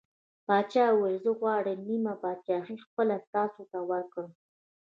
پاچا وویل: زه غواړم نیمه پادشاهي خپله تاسو ته ورکړم.